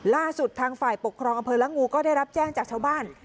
ล่าสุดทางฝ่ายปกครองอำเภอละงูก็ได้รับแจ้งจากชาวบ้าน